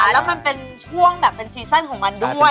แล้วมันเป็นช่วงแบบเป็นซีซั่นของมันด้วย